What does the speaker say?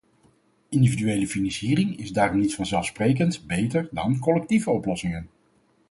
Individuele financiering is daarom niet vanzelfsprekend beter dan collectieve oplossingen.